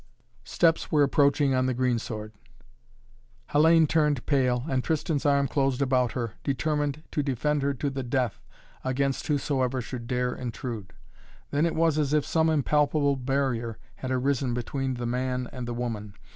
'" Steps were approaching on the greensward. Hellayne turned pale and Tristan's arm closed about her, determined to defend her to the death against whosoever should dare intrude. Then it was as if some impalpable barrier had arisen between the man and the woman.